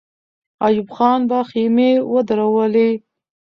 ایوب خان به خېمې ودرولي.